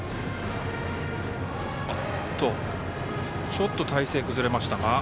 ちょっと体勢崩れましたが。